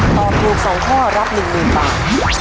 ตอบถูก๒ข้อรับ๑มือป่าว